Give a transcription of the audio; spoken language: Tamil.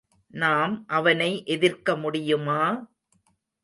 நாம் அவனை எதிர்க்க முடியுமா!